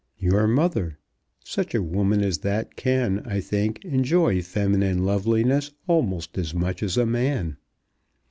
"Your mother. Such a woman as that can, I think, enjoy feminine loveliness almost as much as a man."